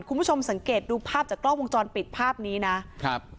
คุณผู้ชมสังเกตดูภาพจากกล้องวงจรปิดภาพนี้นะครับ